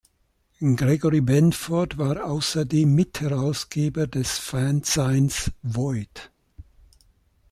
Gregory Benford war außerdem Mitherausgeber des Fanzines „Void“.